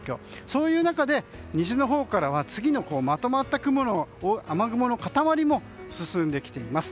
そういう中で西のほうからは次のまとまった雨雲の塊も進んできています。